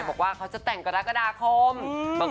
ที่สำเร็จแบบว่าส่วนตรงส่วนตาเล็กนี่เนาะ